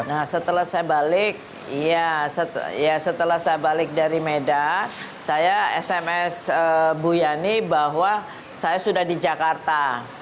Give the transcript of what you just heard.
nah setelah saya balik dari medan saya sms bu yani bahwa saya sudah di jakarta